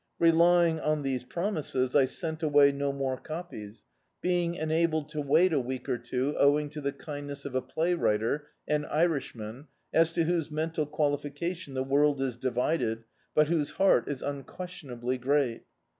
Relying on these promises, I sent away no more copies, being [3>6] D,i.,.db, Google At Last enabled to wait a week or two owing to the kind ness of a playwritcr, an Irishman, as to whose men tal qualification the world is divided, but whose heart is unquestionably great.